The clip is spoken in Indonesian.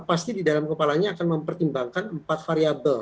pasti di dalam kepalanya akan mempertimbangkan empat variable